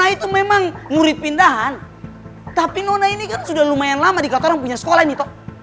aku memang murid pindahan tapi nona ini kan sudah lumayan lama di katarang punya sekolah ini tau